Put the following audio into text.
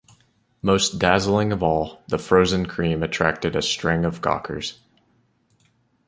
Most dazzling of all, the "frozen cream" attracted a string of gawkers.